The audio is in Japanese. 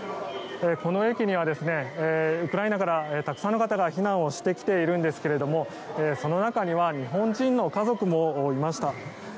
この駅にはウクライナからたくさんの方が避難をしてきているんですがその中には日本人の家族もいました。